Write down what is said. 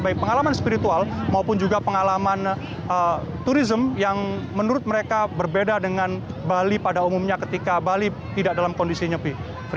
baik pengalaman spiritual maupun juga pengalaman turisme yang menurut mereka berbeda dengan bali pada umumnya ketika bali tidak dalam kondisi nyepi